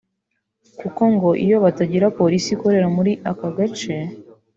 kuko ngo iyo batagira polisi ikorera muri aka gace